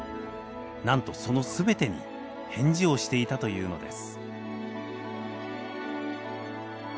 なんとその全てに返事をしていたというのです。